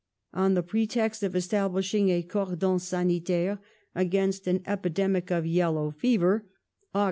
On the pretext of establishing a cordon sanitaire against an epi N demic of yellow fever (Aug.